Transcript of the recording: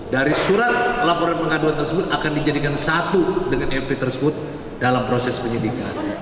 dari surat laporan pengaduan tersebut akan dijadikan satu dengan mp tersebut dalam proses penyidikan